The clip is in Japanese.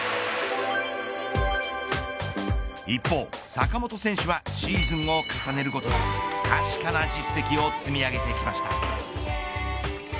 一方、坂本選手はシーズンを重ねるごとに確かな実績を積み上げてきました。